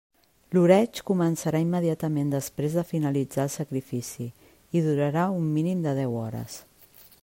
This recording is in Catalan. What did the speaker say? L'oreig començarà immediatament després de finalitzat el sacrifici i durarà un mínim de deu hores.